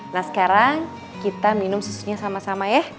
nah sekarang kita minum susunya sama sama ya